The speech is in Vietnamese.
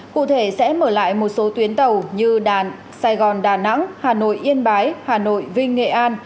cụ thể sẽ mở lại một số tuyến tàu như sài gòn đà nẵng hà nội yên bái hà nội vinh nghệ an